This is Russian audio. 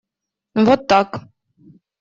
Вот так.